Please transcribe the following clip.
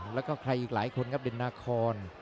และใครอีกหลายคนครับดินโนโคน